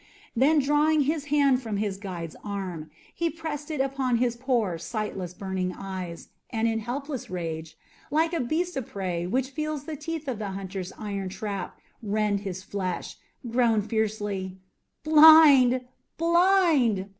Then drawing his hand from his guide's arm, he pressed it upon his poor, sightless, burning eyes, and in helpless rage, like a beast of prey which feels the teeth of the hunter's iron trap rend his flesh, groaned fiercely, "Blind! blind!"